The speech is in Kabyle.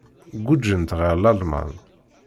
Gguǧǧent ɣer Lalman.